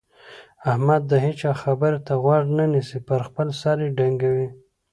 احمد د هيچا خبرې ته غوږ نه نيسي؛ پر خپل سر يې ډنګوي.